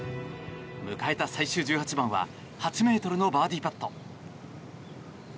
迎えた最終１８番は８ｍのバーディーパット。